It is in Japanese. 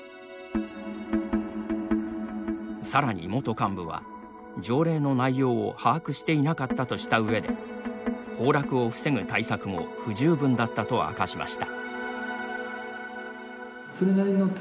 さらに、元幹部は、条例の内容を把握していなかったとしたうえで崩落を防ぐ対策も不十分だったと明かしました。